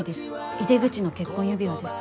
井出口の結婚指輪です。